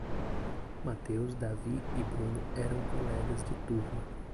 Matheus, Davi e Bruno eram colegas de turma.